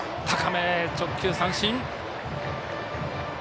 高め、直球三振。